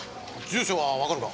住所はわかるか？